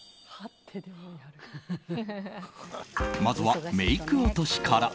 まずはメイク落としから。